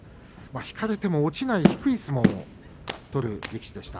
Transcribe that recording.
引かれても落ちない低い相撲を取る力士でした。